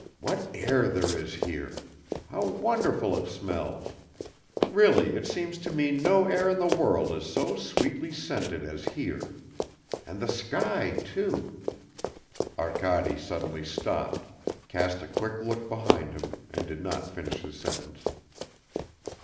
What air there is here! How wonderful it smells. Really it seems to me no air in the world is so sweetly scented as here! And the sky too ..." Arkady suddenly stopped, cast a quick look behind him and did not finish his sentence.